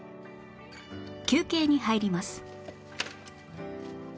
休憩に入ります